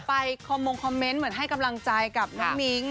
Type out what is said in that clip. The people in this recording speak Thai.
คอมมงคอมเมนต์เหมือนให้กำลังใจกับน้องนิ้ง